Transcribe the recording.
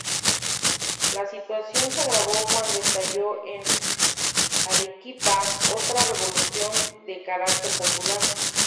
La situación se agravó cuando estalló en Arequipa otra revolución de carácter popular.